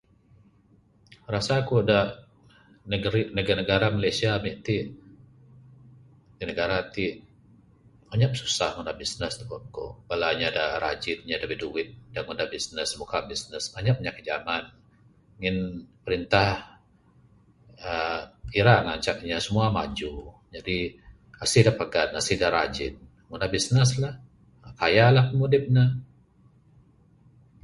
Rasa ku da negeri da negara Malaysia ti. Kan ne negara ti anyap susah ngunah bisnes tubek ku, bala inya rajin, bala da biduit da ngunah bisnes muka bisnes anyap inya Kinjaman ngin perintah uhh ira ngancak inya maju. Jadi asih da pagan asih da rajin ngunah bisnes lah kaya lah pimudip ne